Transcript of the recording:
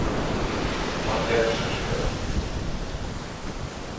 Он для души живет.